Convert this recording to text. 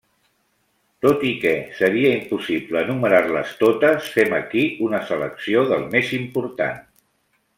Tot i que seria impossible enumerar-les totes, fem aquí una selecció del més important.